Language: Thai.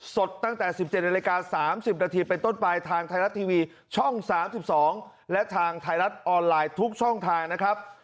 สดตั้งแต่๑๗นาฬิกา๓๐นาทีเป็นต้นไปทางไทยรัฐทีวีช่อง๓๒และทางไทยรัฐออนไลน์ทุกช่องทางนะครับ